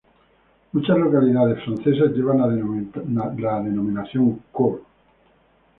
Muchas localidades francesas llevan la denominación "Cour".